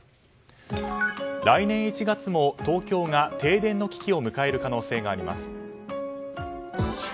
来年１月も東京が停電の危機を迎える可能性があります。